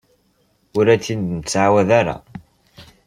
Ur am-t-id-nettɛawad ara.